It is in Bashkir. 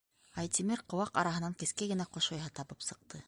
Айтимер ҡыуаҡ араһынан кескәй генә ҡош ояһы табып сыҡты.